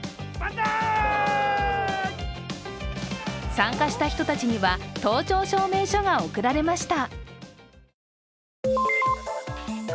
参加した人たちには登頂証明書が贈られました。